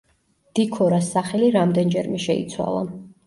დიქორას სახელი რამდენჯერმე შეიცვალა.